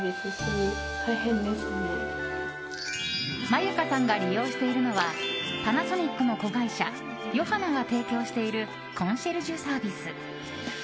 まゆかさんが利用しているのはパナソニックの子会社Ｙｏｈａｎａが提供しているコンシェルジュサービス。